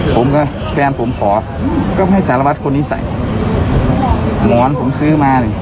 ผมกับแฟนผมขอก็ให้สารวัตรคนนี้ใส่หมอนผมซื้อมานี่